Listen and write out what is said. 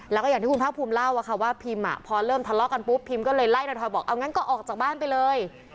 แล้วก็อย่างที่คุณภาคภูมิเล่าอะค่ะว่าพิมพอเริ่มทะเลาะกันปุ๊บพิมก็เลยไล่ทอยบอกเอางั้นก็ออกจากบ้านไปเลย